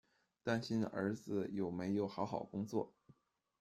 担心儿子有没有好好工作